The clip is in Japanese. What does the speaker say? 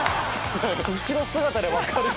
後ろ姿で分かる。